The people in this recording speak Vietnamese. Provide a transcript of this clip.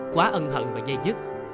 quá ân hận và dây dứt